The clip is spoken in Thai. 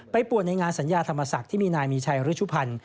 ปวดในงานสัญญาธรรมศักดิ์ที่มีนายมีชัยฤชุพันธ์